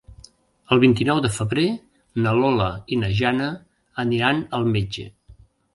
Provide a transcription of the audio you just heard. El vint-i-nou de febrer na Lola i na Jana aniran al metge.